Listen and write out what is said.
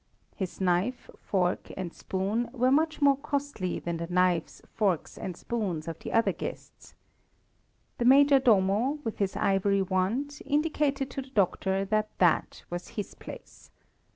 His knife, spoon, and fork were much more costly than the knives, spoons, and forks of the other guests. The Major Domo, with his ivory wand, indicated to the doctor that that was his place.